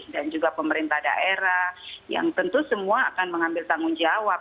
dan juga pemerintah daerah yang tentu semua akan mengambil tanggung jawab